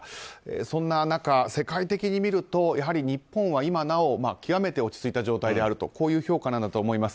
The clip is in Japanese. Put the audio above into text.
そんな中、世界的にみると日本は極めて落ち着いた状態であるという評価なんだと思います。